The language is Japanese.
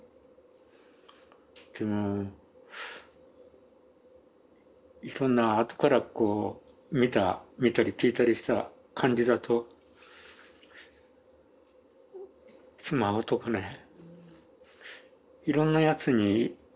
でもいろんなあとからこう見た見たり聞いたりした感じだとスマホとかねいろんなやつに痕跡が残ってたんですよ。